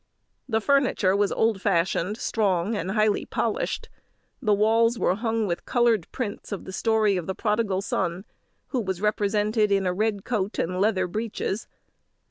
The furniture was old fashioned, strong, and highly polished; the walls were hung with coloured prints of the story of the Prodigal Son, who was represented in a red coat and leather breeches.